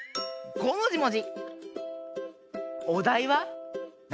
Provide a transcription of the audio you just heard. ごもじもじ。